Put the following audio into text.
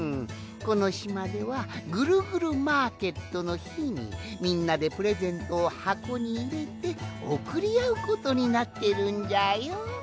このしまではぐるぐるマーケットのひにみんなでプレゼントをはこにいれておくりあうことになってるんじゃよ。